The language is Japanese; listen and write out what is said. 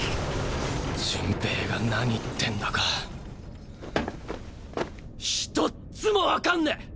順平が何言ってんだかひとっつも分かんねぇ。